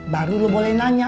baru lo boleh nanya